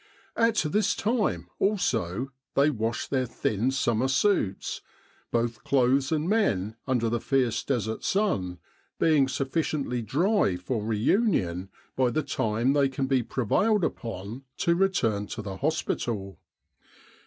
At this time, also, they wash their thin summer suits, both clothes and men under the fierce Desert sun being sufficiently dry for reunion by the time they can be prevailed upon to return to the hospital.